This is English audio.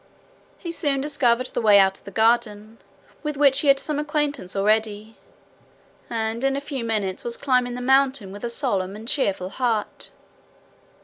He soon discovered the way out of the garden, with which he had some acquaintance already, and in a few minutes was climbing the mountain with a solemn and cheerful heart.